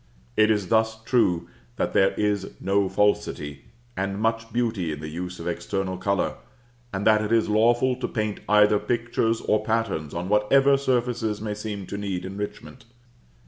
It is thus true that there is no falsity, and much beauty in the use of external color, and that it is lawful to paint either pictures or patterns on whatever surfaces may seem to need enrichment.